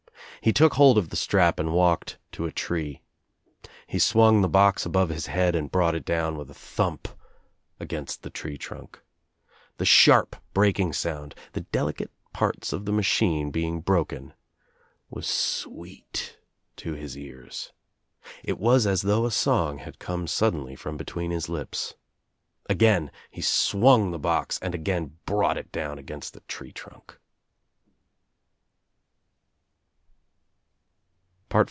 He took hold of the strap and walked to a tree. He swung the box above his head and brought It down with a thump against 214 THE TRIUMPH OF THE EGG the tree trunk. The sharp breaking sound — ^the deli cate parts of the machine being broken — ^was sweet to his ears. It was as though a song had come sud denly from between his lips. Again he swung the box and again brought it down against the tree trunk.